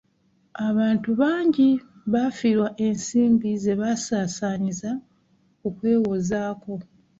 Abantu bangi bafiirwa ensimbi ze basasaanyiza ku kwewozaako.